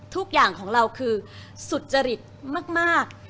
ทุกอย่างของเราคือสุจริตมาก